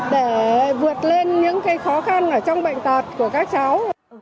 để vượt lên những khó khăn ở trong bệnh tật của các cháu